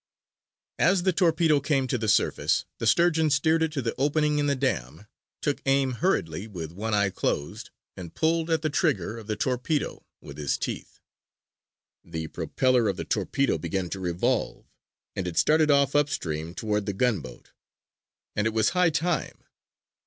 As the torpedo came to the surface, the Sturgeon steered it to the opening in the dam, took aim hurriedly with one eye closed, and pulled at the trigger of the torpedo with his teeth. The propeller of the torpedo began to revolve, and it started off upstream toward the gunboat. And it was high time.